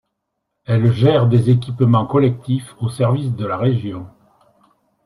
Elle gère des équipements collectifs au service de la région.